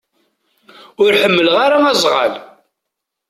Ur ḥmileɣ ara azɣal.